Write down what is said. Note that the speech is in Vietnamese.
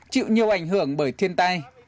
chịu nhiều ảnh hưởng bởi thiên tai